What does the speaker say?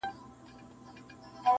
چي تر منځ به مو طلاوي وای وېشلي -